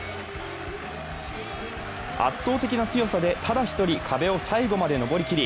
圧倒的な強さでただ一人壁を最後まで登り切り